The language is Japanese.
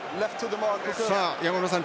山村さん